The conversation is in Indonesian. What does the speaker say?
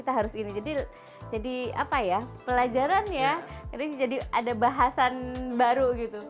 kita harus ini jadi apa ya pelajarannya ini jadi ada bahasan baru gitu